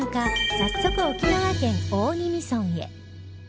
早速沖縄県大宜味村へ